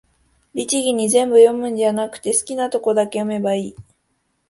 律儀に全部読むんじゃなくて、好きなとこだけ読めばいい